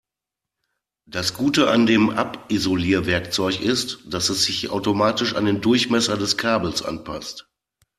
Das Gute an dem Abisolierwerkzeug ist, dass es sich automatisch an den Durchmesser des Kabels anpasst.